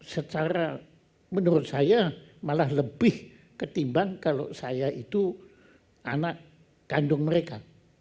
secara menurut saya malah lebih ketimbang kalau saya itu anak kandung mereka